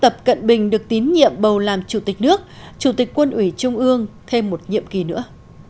tập cận bình được tín nhiệm bầu làm chủ tịch nước chủ tịch quân ủy trung ương thêm một nhiệm kỳ nữa